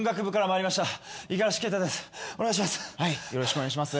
お願いします。